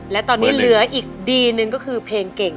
และตอนนี้เหลืออีกดีหนึ่งก็คือเพลงเก่ง